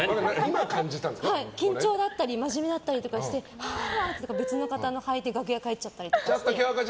緊張だったり真面目だったりとかして別の方の履いて帰っちゃったりとかして。